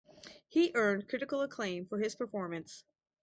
He earned critical acclaim for his performance.